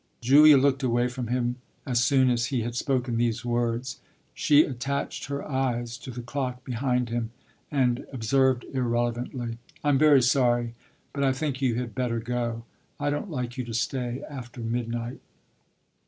Julia looked away from him as soon as he had spoken these words; she attached her eyes to the clock behind him and observed irrelevantly: "I'm very sorry, but I think you had better go. I don't like you to stay after midnight."